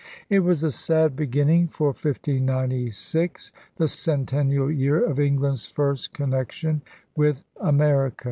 It was a sad begin ning for 1596, the centennial year of England's first connection with America.